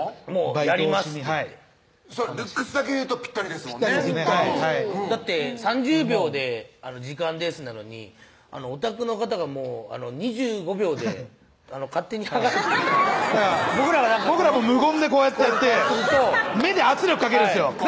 「やります」って言ってルックスだけでいうとぴったりですもんねだって３０秒で「時間です」なのにオタクの方が２５秒で勝手に剥がれて僕らも無言でこうやってやって目で圧力かけるんですよ